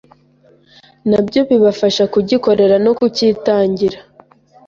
nabyo bibafasha kugikorera no kukitangira